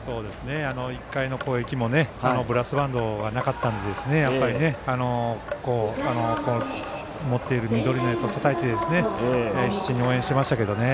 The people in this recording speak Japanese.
１回の攻撃もブラスバンドがなかったんでやっぱり、持っている緑のやつをたたいて必死に応援していましたけども。